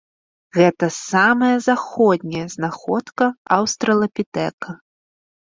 Гэта самая заходняя знаходка аўстралапітэка.